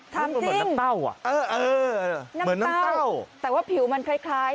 เหมือนน้ำเต้าอ่ะเออเออเหมือนน้ำเต้าแต่ว่าผิวมันคล้ายคล้าย